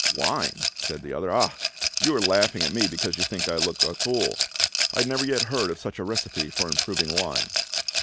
"Wine!" said the other. "Ah! you are laughing at me, because you think I look a fool! I never yet heard of such a recipe for improving wine."